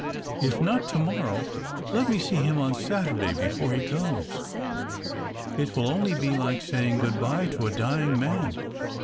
If not to morrow, let me see him on Saturday before he goes. It will only be like saying good bye to a dying man.